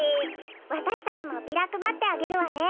わたしたちもビラくばってあげるわね。